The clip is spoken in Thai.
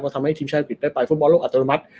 ก็ทำให้ทิมชั่นเกรดไปฟุตบอลโลกอัตโนมัติ